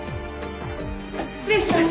失礼します。